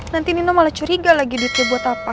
nanti nino malah curiga lagi duitnya buat apa